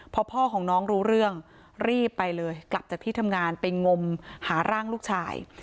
พอพ่อของน้องรู้เรื่องรีบไปเลยกลับจากที่ทำงานไปงมหาร่างลูกชาย